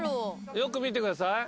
よく見てください。